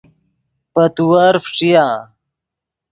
پے تیور فݯیا